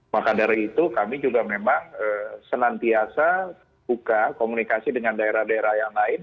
maka dari itu kami juga memang senantiasa buka komunikasi dengan daerah daerah yang lain